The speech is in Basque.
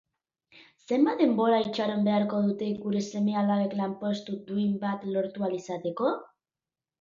Zenbat denbora itxaron beharko dute gure seme-alabek lanpostu duin bat lortu ahal izateko?